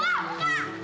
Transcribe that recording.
makasih makasih ya kak